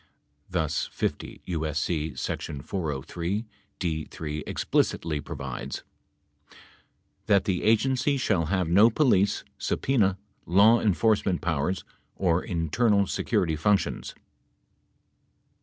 Thus, 50 U.S.C. sec. 403(d) (3) explicitly provides: That the Agency shall have no police, subpena, law enforce ment powers, or internal security functions